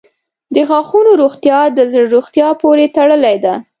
• د غاښونو روغتیا د زړه روغتیا پورې تړلې ده.